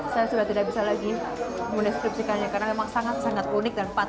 saya sudah tidak bisa lagi mendeskripsikannya karena memang sangat sangat unik dan patut